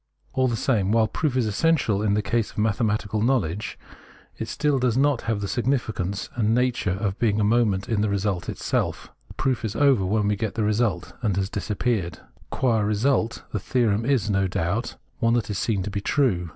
All the same, while proof is essential in the case of mathematical knowledge, it still does not have the .significance and nature of Preface 39 being a moment in the result itself ; the proof is over when we get the result, and has disappeared. Qua result the theorem is, no doubt, one that is seen to be true.